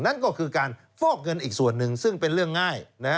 นั่นก็คือการฟอกเงินอีกส่วนหนึ่งซึ่งเป็นเรื่องง่าย